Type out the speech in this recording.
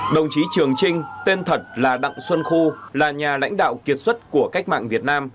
đồng chí trường trinh tên thật là đặng xuân khu là nhà lãnh đạo kiệt xuất của cách mạng việt nam